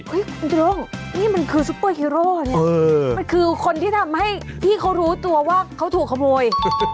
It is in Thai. คุณโด้งนี่มันคือซุปเปอร์ฮีโร่เนี่ยมันคือคนที่ทำให้พี่เขารู้ตัวว่าเขาถูกขโมย